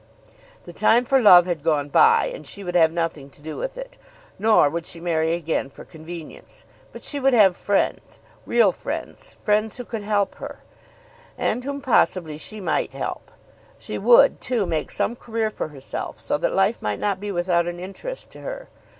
The time for love had gone by, and she would have nothing to do with it. Nor would she marry again for convenience. But she would have friends, real friends; friends who could help her, and whom possibly she might help. She would, too, make some career for herself, so that life might not be without an interest to her.